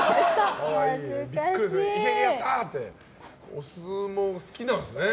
お相撲好きなんですね。